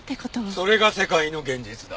それが世界の現実だ。